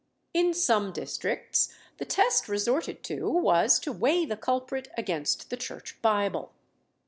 In some districts the test resorted to was to weigh the culprit against the church Bible.